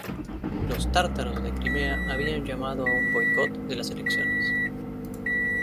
Los tártaros de Crimea habían llamado a un boicot de las elecciones.